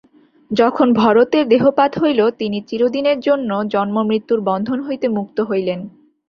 যখন ভরতের দেহপাত হইল, তিনি চিরদিনের জন্য জন্মমৃত্যুর বন্ধন হইতে মুক্ত হইলেন।